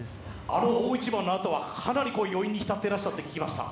あの大一番のあとはかなり余韻にひたっていらっしゃったと聞きました。